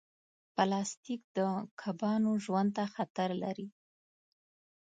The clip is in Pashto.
پلاستيک د کبانو ژوند ته خطر لري.